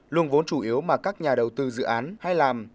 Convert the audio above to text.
luôn vốn chủ yếu mà các nhà đầu tư dự án hay làm